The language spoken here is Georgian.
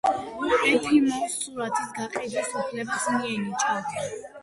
ეფიმოვს სურათის გაყიდვის უფლებაც მიენიჭა.